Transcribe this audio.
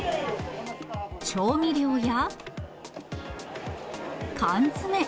調味料や、缶詰。